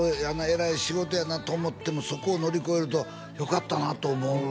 えらい仕事やなと思ってもそこを乗り越えるとよかったなと思うよね